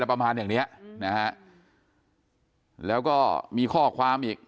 ประมาณอย่างเนี้ยนะฮะแล้วก็มีข้อความอีก